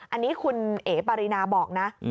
อันนี้คุณเอ๋ปารีนาบอกนะ